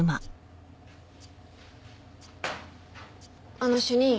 あの主任。